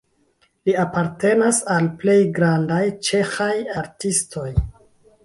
Li apartenas al plej grandaj ĉeĥaj artistoj.